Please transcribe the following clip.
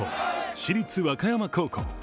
市立和歌山高校。